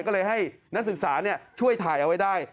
ก็เลยให้นักศึกษาช่วยถ่ายเอาไว้ได้